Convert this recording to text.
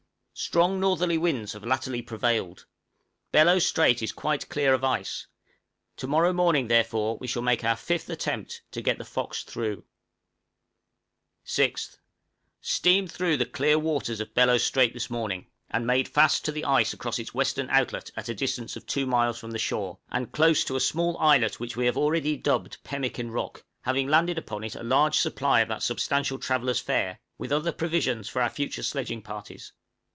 Strong northerly winds have latterly prevailed; Bellot Strait is quite clear of ice; to morrow morning, therefore, we shall make our fifth attempt to get the 'Fox' through. {STRUGGLES IN BELLOT STRAIT.} 6th. Steamed through the clear waters of Bellot Strait this morning, and made fast to the ice across its western outlet at a distance of two miles from the shore, and close to a small islet which we have already dubbed Pemmican Rock, having landed upon it a large supply of that substantial traveller's fare, with other provisions for our future sledging parties.